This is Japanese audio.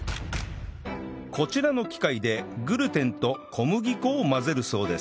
こちらの機械でグルテンと小麦粉を混ぜるそうです